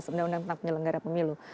undang undang tentang penyelenggara pemilu